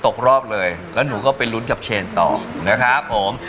ตกรอบเลยแล้วหนูก็ไปลุ้นกับเชนต่อนะครับผม